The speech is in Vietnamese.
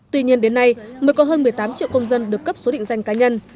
tuy nhiên đến nay mới có hơn một mươi tám triệu công dân được cấp số định danh cá nhân